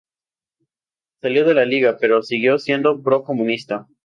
Salió de la Liga, pero siguió siendo pro-comunista.